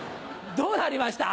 どうなりました？